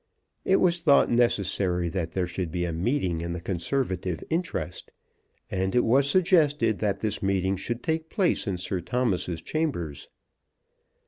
It was thought necessary that there should be a meeting in the conservative interest, and it was suggested that this meeting should take place in Sir Thomas's chambers.